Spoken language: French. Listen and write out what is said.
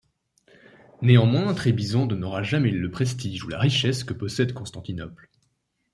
Néanmoins, Trébizonde n’aura jamais le prestige ou la richesse que possède Constantinople.